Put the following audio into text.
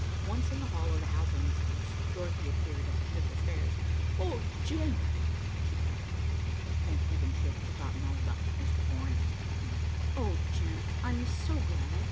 Once in the hall of the Haldanes' house, Dorothy appeared at the head of the stairs. "Oh, Jim!" she cried. Thank Heaven she had forgotten all about Mr. Orrington now. "Oh, Jim, I'm so glad.